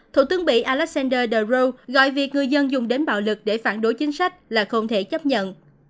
thủ tướng mỹ alexander dero gọi việc người dân dùng đến bạo lực để phản đối chính sách là không thể chấp nhận